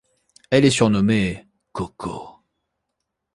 Elle est surnommée Coco.